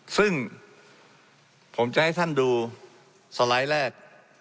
ซึ่งผมจะให้ท่านดูสไลด์แรก